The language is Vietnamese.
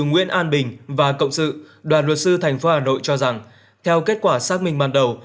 nguyễn an bình và cộng sự đoàn luật sư thành phố hà nội cho rằng theo kết quả xác minh ban đầu